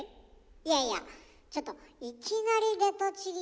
いやいやちょっといきなり出トチリ？